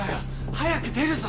早く出るぞ。